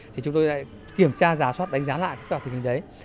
thì chúng tôi lại kiểm tra giả soát đánh giá lại các tòa thị trường đấy